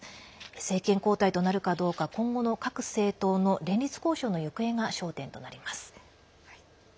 政権交代となるかどうか今後の各政党の連立交渉の行方が焦点となります。